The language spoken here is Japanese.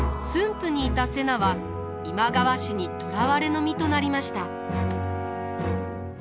府にいた瀬名は今川氏に捕らわれの身となりました。